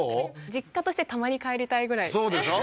実家としてたまに帰りたいぐらいそうでしょ？